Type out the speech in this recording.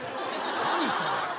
何それ？